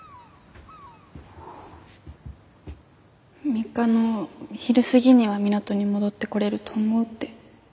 ３日の昼過ぎには港に戻ってこれると思うって。